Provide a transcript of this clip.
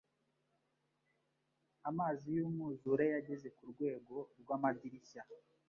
Amazi yumwuzure yageze kurwego rwamadirishya.